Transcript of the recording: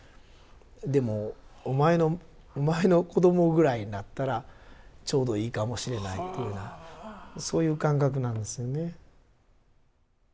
「でもお前の子供ぐらいになったらちょうどいいかもしれない」というようなそういう感覚なんですよね。